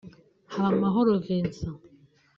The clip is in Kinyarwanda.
Habamahoro Vincent